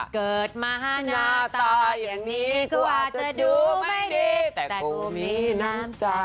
เกิดมาหน้าตาอย่างนี้ก็อาจจะดูไม่ดีแต่ดูมีน้ำใจ